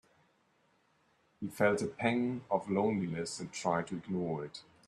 He felt a pang of loneliness and tried to ignore it.